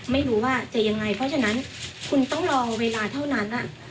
ไม่รู้ว่าจะยังไงเพราะฉะนั้นคุณต้องลองเวลาเท่านั้น